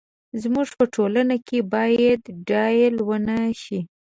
زموږ په ټولنه کې باید ډيل ونه شي.